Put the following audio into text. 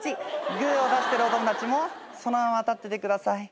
グーを出してるお友達そのまま立っててください。